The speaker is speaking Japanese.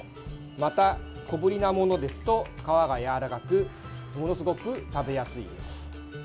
また、小ぶりなものですと皮がやわらかくものすごく食べやすいです。